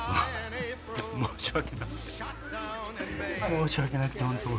申し訳なくて本当。